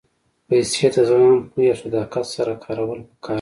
پېسې د زغم، پوهې او صداقت سره کارول پکار دي.